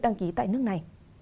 đăng ký tại nước này